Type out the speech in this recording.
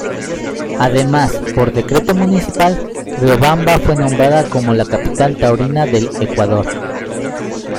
Además por decreto municipal Riobamba fue nombrada como la Capital Taurina del Ecuador.